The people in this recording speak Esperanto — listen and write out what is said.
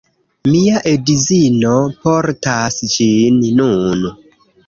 Mia edzino portas ĝin nun